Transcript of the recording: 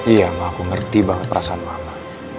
ia mah aku ngerti banget perasaan mama